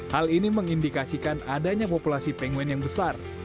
hal ini mengindikasikan adanya populasi penguin yang besar